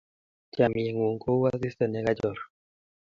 Chamnyengung ko u asista ne kachor